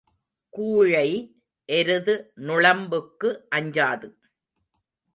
கூழை எருது நுளம்புக்கு அஞ்சாது.